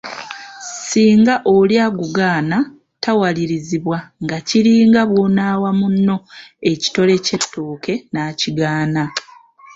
Singa oli agugaana tawalirizibwa nga kiringa bwonaawa munno ekitole ky'ettoke nakigaana.